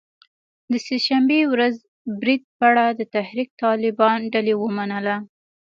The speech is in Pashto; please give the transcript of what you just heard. د سه شنبې ورځې برید پړه د تحریک طالبان ډلې ومنله